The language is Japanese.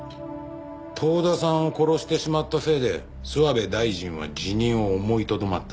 遠田さんを殺してしまったせいで諏訪部大臣は辞任を思いとどまった。